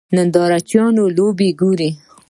نندارچیان لوبه ګوري.